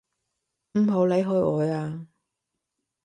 唔好離開我啊！